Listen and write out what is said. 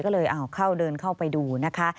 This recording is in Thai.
ก็เลยเอาเข้าเดินเข้าไปดูนะคะ